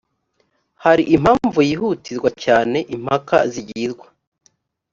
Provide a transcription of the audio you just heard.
hari impamvu yihutirwa cyane impaka zigirwa